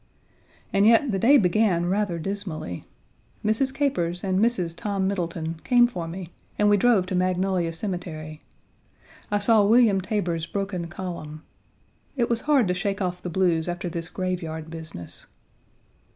And yet the day began rather dismally. Mrs. Capers and Mrs. Tom Middleton came for me and we drove to Magnolia Cemetery. I saw William Taber's broken column. It was hard to shake off the blues after this graveyard business.